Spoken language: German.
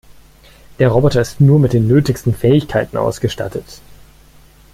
Der Roboter ist nur mit den nötigsten Fähigkeiten ausgestattet.